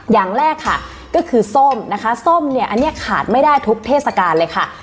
อย่างแรกค่ะก็คือส้มนะคะส้มเนี่ยอันนี้ขาดไม่ได้ทุกเทศกาลเลยค่ะ